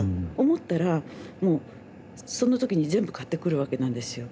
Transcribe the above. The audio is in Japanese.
思ったらもうその時に全部買ってくるわけなんですよ。